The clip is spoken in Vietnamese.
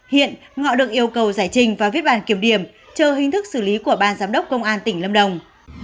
hiện ngọ được yêu cầu giải trình và viết bàn kiểm điểm chờ hình thức xử lý của ban giám đốc công an tỉnh lâm đồng